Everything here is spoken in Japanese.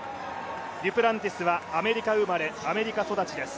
デュプランティスはアメリカ生まれアメリカ育ちです。